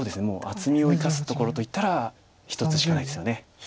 もう厚みを生かすところといったら一つしかないですよね。